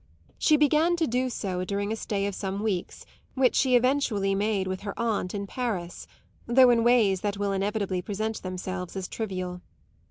She began to do so during a stay of some weeks which she eventually made with her aunt in Paris, though in ways that will inevitably present themselves as trivial.